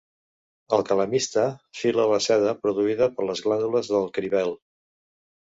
El calamistre fila la seda produïda per les glàndules del cribel.